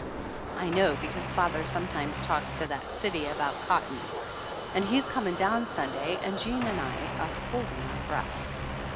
(I know because father sometimes talks to that city about cot ton.) And he's coming down Sunday. And Jean and I are holding our breath.